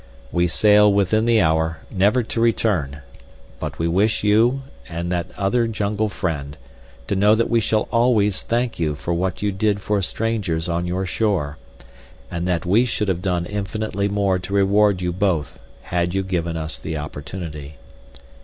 We sail within the hour, never to return; but we wish you and that other jungle friend to know that we shall always thank you for what you did for strangers on your shore, and that we should have done infinitely more to reward you both had you given us the opportunity.